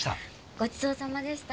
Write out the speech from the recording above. ごちそうさまでした。